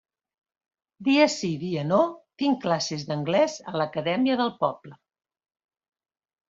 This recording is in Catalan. Dia sí, dia no, tinc classes d'anglès a l'acadèmia del poble.